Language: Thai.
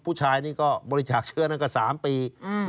ผู้ชายนี่ก็บริจาคเชื้อนั่นก็๓ปี